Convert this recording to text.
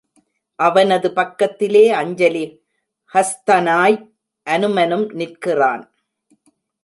அவனது பக்கத்திலே அஞ்சலி ஹஸ்தனாய் அனுமனும் நிற்கிறான்.